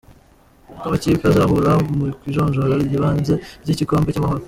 Uko amakipe azahura mu ijonjora ry’ibanze ry’igikombe cy’Amahoro